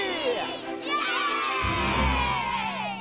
イエーイ！